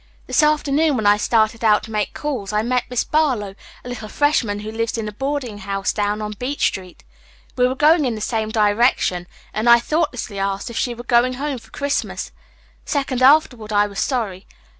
This afternoon when I started out to make calls I met Miss Barlow, a little freshman who lives in a boarding house down on Beech Street. We were going in the same direction and I thoughtlessly asked if she were going home for Christmas. A second afterward I was sorry.